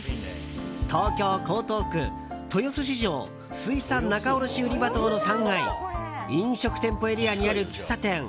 東京・江東区豊洲市場水産仲卸売場棟の３階飲食店舗エリアにある喫茶店